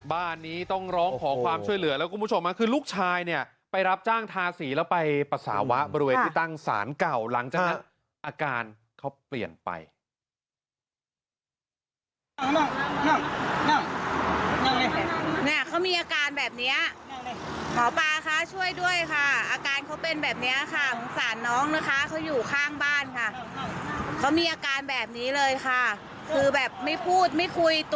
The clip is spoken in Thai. บ้านนี้ต้องร้องขอความช่วยเหลือแล้วคุณผู้ชมคือลูกชายเนี่ยไปรับจ้างทาสีแล้วไปปัสสาวะบริเวณที่ตั้งศาลเก่าหลังจากนั้นอาการเขาเปลี่ยนไป